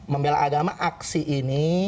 membelah agama aksi ini